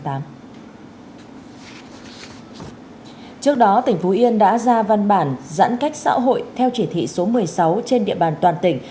trước đó tỉnh phú yên đã ra văn bản giãn cách xã hội theo chỉ thị số một mươi sáu trên địa bàn toàn tỉnh